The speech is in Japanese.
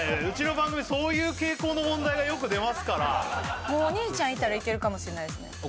うちの番組そういう傾向の問題がよく出ますからもうお兄ちゃんいたらいけるかもしれないですね